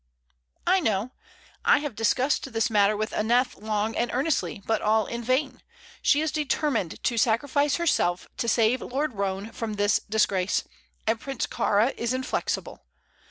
"I know; I have discussed this matter with Aneth long and earnestly, but all in vain. She is determined to sacrifice herself to save Lord Roane from this disgrace; and Prince Kāra is inflexible.